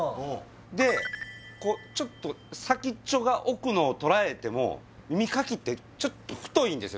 でこうちょっと先っちょが奥のを捉えても耳かきってちょっと太いんですよ